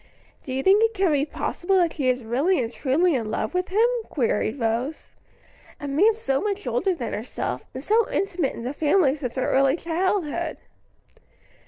"Do you think it can be possible that she is really and truly in love with him?" queried Rose; "a man so much older than herself, and so intimate in the family since her early childhood."